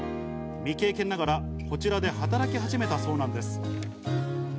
未経験ながらこちらで働き始めたそうなんです。